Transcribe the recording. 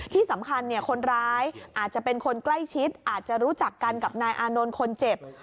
ที่สำคัญคนร้ายอาจจะเป็นคนใกล้ชิดอาจจะรู้จักกันกับนายอานนท์คนเจ็บ